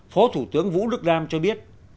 phó thủ tướng vũ đức đam cho biết